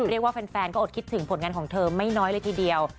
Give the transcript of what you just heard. เรียกว่าแฟนก็อดคิดถึงผลงานของเธอไม่น้อยเลยทีเดียว